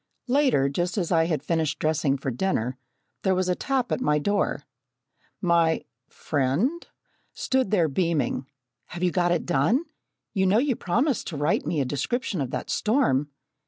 Later, just as I had finished dressing for dinner, there was a tap at my door. My friend (?) stood there beaming. "Have you got it done? You know you promised to write me a description of that storm!"